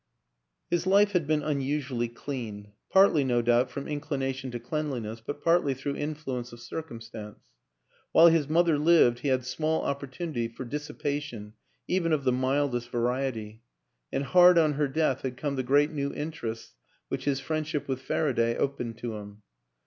His life had been unusually clean; partly, no doubt, from inclination to cleanliness, but partly through influence of circumstance. While his mother lived he had small opportunity for dissi pation even of the mildest variety; and hard on her death had come the great new interests which his friendship with Faraday opened to him.